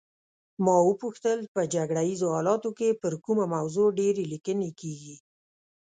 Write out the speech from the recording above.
ما وپوښتل په جګړه ایزو حالاتو کې پر کومه موضوع ډېرې لیکنې کیږي.